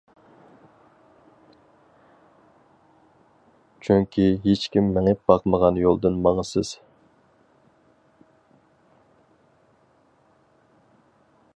چۈنكى ھېچكىم مېڭىپ باقمىغان يولدىن ماڭىسىز.